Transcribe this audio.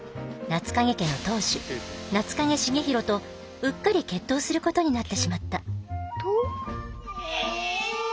夏影家の当主夏影重弘とうっかり決闘することになってしまったえ！？